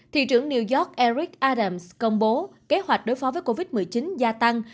thị trưởng new york eric arams công bố kế hoạch đối phó với covid một mươi chín gia tăng